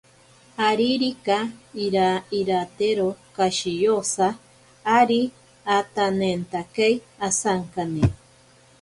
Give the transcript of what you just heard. Aririka iira iratero kashiyosa ari atanentakei asankane.